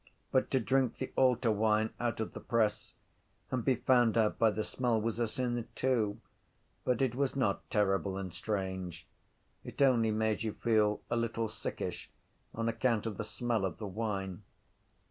But to drink the altar wine out of the press and be found out by the smell was a sin too: but it was not terrible and strange. It only made you feel a little sickish on account of the smell of the wine.